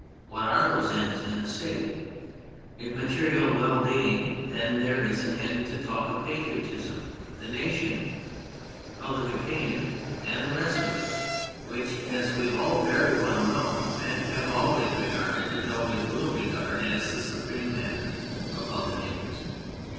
What are those ends in a State ? If material well being, then there is an end to talk of patriotism, the nation, public opinion and the rest of it which, as we all very well know, men always have regarded and always ^^■ill regard as the supreme matters of public interest.